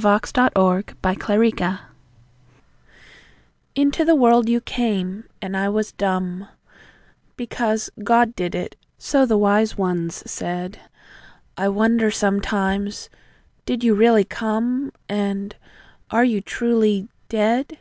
To a Little White Bird Into the world you came, and I was dumb, Because "God did it," so the wise ones said; I wonder sometimes "Did you really come?" And "Are you truly ... DEAD?"